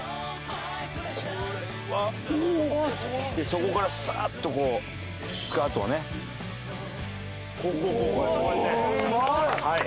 そこからサーッとこうスカートをね。うまい！